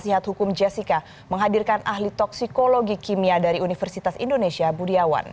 penat hukum jessica menghadirkan ahli toksikologi kimia dari universitas indonesia budiawan